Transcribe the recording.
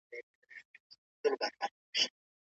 موږ باید د ټکنالوژۍ له نویو پرمختګونو سره لاړ سو.